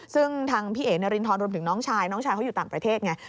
ซึ่งทางพี่เอ๋นารินทรรวมถึงน้องชายน้องชายเขาอยู่ต่างประเทศไง